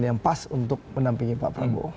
yang pas untuk menampingi pak prabowo